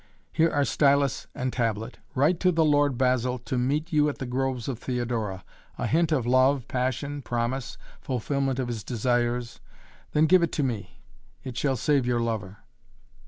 Here are stylus and tablet. Write to the Lord Basil to meet you at the Groves of Theodora. A hint of love, passion, promise fulfillment of his desires then give it to me. It shall save your lover."